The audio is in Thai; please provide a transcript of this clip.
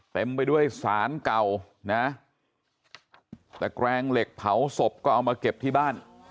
เต็มไปด้วยสารเก่านะตะแกรงเหล็กเผาศพก็เอามาเก็บที่บ้าน